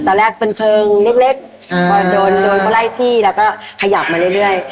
ตอนแรกเป็นเพลิงเล็กพอโดนเขาไล่ที่แล้วก็ขยับมาเรื่อย